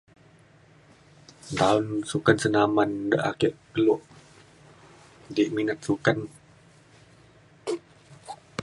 taun sukan senaman da' ake kelo nta ek minat sukan